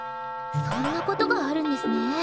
そんなことがあるんですね。